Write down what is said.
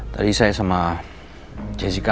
tadi saya sama jessica